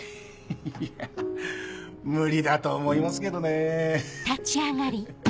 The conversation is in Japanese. いや無理だと思いますけどねぇ。